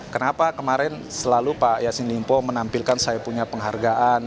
kenapa kemarin selalu pak yasin limpo menampilkan saya punya penghargaan